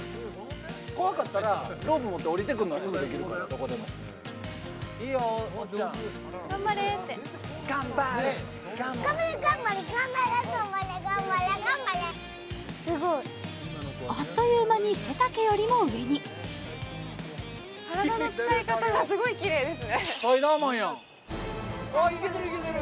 怖かったらロープ持って下りてくんのはすぐできるからどこでもいいよおとちゃん頑張れって頑張れ頑張れ頑張れ頑張れ頑張れあっという間に背丈よりも上に体の使い方がすごいきれいですねいけてるいけてる！